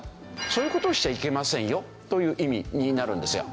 そういう事をしちゃいけませんよという意味になるんですよ。